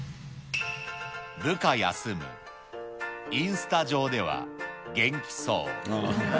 部下休むインスタ上では元気そう。